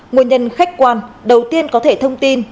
nguồn nhân khách quan đầu tiên có thể thông tin